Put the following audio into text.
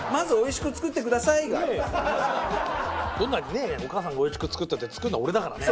どんなにねお母さんがおいしく作ったって作るのは俺だからね。